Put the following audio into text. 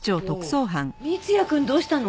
三ツ矢くんどうしたの？